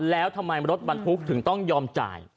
แล้วทำไมรถบรรทุกถึงต้องยอมจ่าย